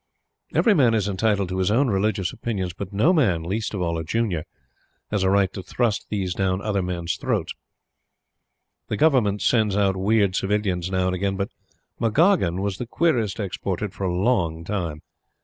Every man is entitled to his own religious opinions; but no man least of all a junior has a right to thrust these down other men's throats. The Government sends out weird Civilians now and again; but McGoggin was the queerest exported for a long time.